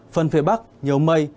phần phía bắc nhiều mây